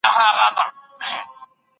د الماسو یو غمی وو خدای راکړی